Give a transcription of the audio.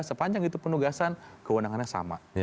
sepanjang itu penugasan kewenangannya sama